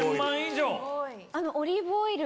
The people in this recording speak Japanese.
あのオリーブオイル。